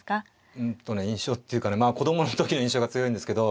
うんとね印象っていうかね子供の時の印象が強いんですけど。